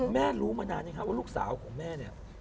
แม่รู้มานานยังไงครับว่าลูกสาวของแม่